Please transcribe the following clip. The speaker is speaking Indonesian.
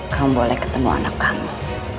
kamu boleh ketemu anak kamu